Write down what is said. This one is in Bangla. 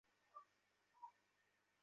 আমি দেবো না।